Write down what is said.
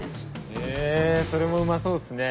へぇそれもうまそうっすね。